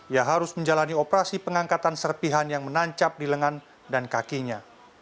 ia harus menjalani operasi pengangkatan serpihan yang menancap di lengan dan kakinya